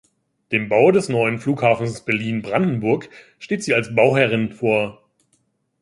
Dem Bau des neuen Flughafens Berlin Brandenburg steht sie als Bauherrin vor.